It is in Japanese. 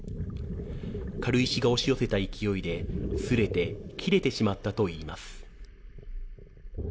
軽石が押し寄せた勢いで、すれて切れてしまったといいます。